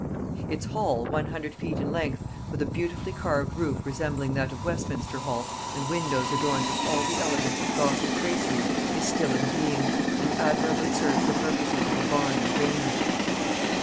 Its hall, 100 feet in length, with a beautifully carved roof resembling that of Westminster hall and windows adorned with all the elegance of gothic tracery, is still in being, and admirably serves the purposes of a barn and granary.